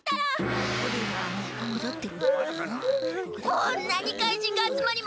こんなに怪人があつまりました！